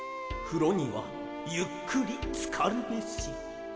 「ふろにはゆっくりつかるべし」